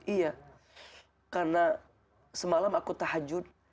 iya karena semalam aku tahajud